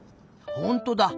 ほんとだ。